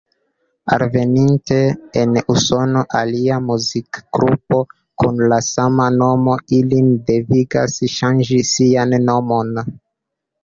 Alveninte en Usono, alia muzikgrupo kun la sama nomo ilin devigas ŝanĝi sian nomon.